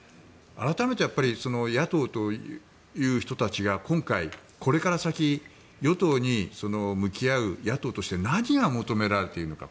改めてやっぱり野党という人たちが今回、これから先与党に向き合う野党として何が求められているのか。